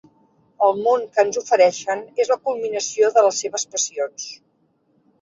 El món que ens ofereixen és la culminació de les seves passions.